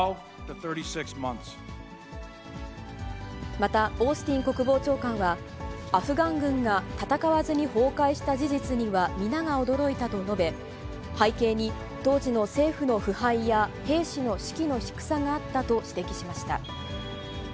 また、オースティン国防長官は、アフガン軍が戦わずに崩壊した事実には皆が驚いたと述べ、背景に当時の政府の腐敗や、兵士の士気の低さがあったと指摘しました。